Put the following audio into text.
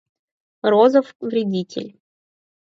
Розов — вредитель.